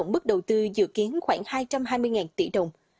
tổng tiên của tp hcm cần thơ dự kiến khoảng hai trăm hai mươi tỷ đồng